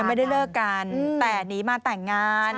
ไม่ได้เลิกกันแต่หนีมาแต่งงาน